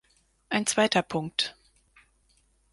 Ein zweiter Punkt.